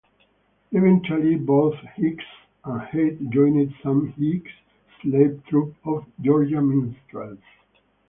Eventually, both Hicks and Height joined Sam Hague's Slave Troupe of Georgia Minstrels.